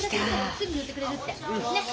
すぐ塗ってくれるって。ね！